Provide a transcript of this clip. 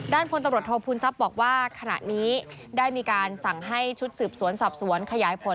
พลตำรวจโทษภูมิทรัพย์บอกว่าขณะนี้ได้มีการสั่งให้ชุดสืบสวนสอบสวนขยายผล